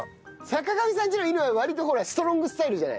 坂上さんんちの犬は割とほらストロングスタイルじゃない。